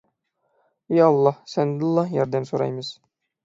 ئى ئاللاھ سەندىنلا ياردەم سورايمىز